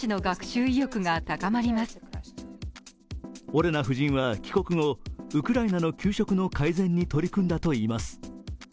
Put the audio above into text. オレナ夫人は帰国後、ウクライナの給食の改善に取り組んだといいます。